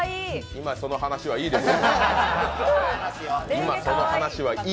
今、その話はいいです。